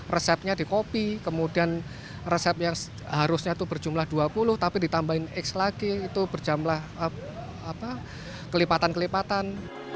resepnya di kopi kemudian resep yang harusnya itu berjumlah dua puluh tapi ditambahin x lagi itu berjamlah kelipatan kelipatan